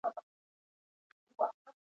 دریشي پوره کالي ګڼل کېږي.